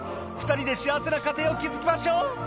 「２人で幸せな家庭を築きましょう」